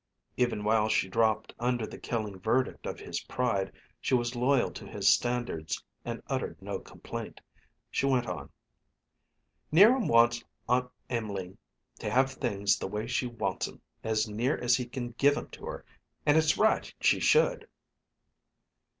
Even while she dropped under the killing verdict of his pride she was loyal to his standards and uttered no complaint. She went on, "'Niram wants Aunt Em'line to have things the way she wants 'em, as near as he can give 'em to her and it's right she should."